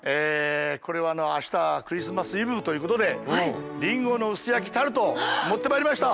これは明日クリスマスイブということでリンゴの薄焼きタルトを持ってまいりました！